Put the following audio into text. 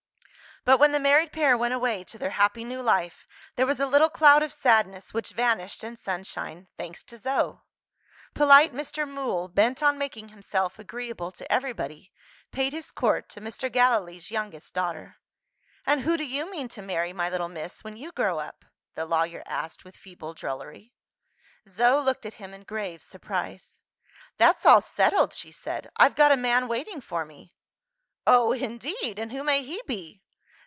But when the married pair went away to their happy new life, there was a little cloud of sadness, which vanished in sunshine thanks to Zo. Polite Mr. Mool, bent on making himself agreeable to everybody, paid his court to Mr. Gallilee's youngest daughter. "And who do you mean to marry, my little Miss, when you grow up?" the lawyer asked with feeble drollery. Zo looked at him in grave surprise. "That's all settled," she said; "I've got a man waiting for me." "Oh, indeed! And who may he be?"